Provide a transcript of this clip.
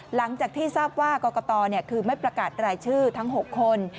หลังจากที่ทราบว่ากรกตคือไม่ประกาศรายชื่อทั้ง๖คน